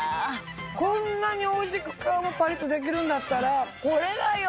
こんなにおいしく皮がパリっとできるんだったらこれだよ！